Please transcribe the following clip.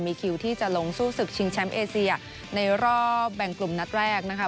มีคิวที่จะลงสู้ศึกชิงแชมป์เอเซียในรอบแบ่งกลุ่มนัดแรกนะคะ